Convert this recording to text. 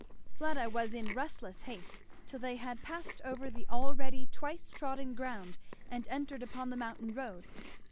Fleda was in restless haste till they had passed over the already twice trodden ground and entered upon the mountain road.